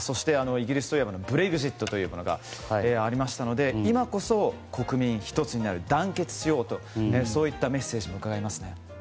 イギリスといえばブレグジットがありましたので今こそ国民が１つになって団結しようといったメッセージもうかがえますね。